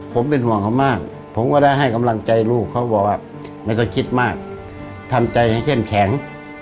ผมเป็นห่วงเขามากผมก็ได้ให้กำลังใจลูกเขาบอกว่าไม่ต้องคิดมากทำใจให้เข้มแข็ง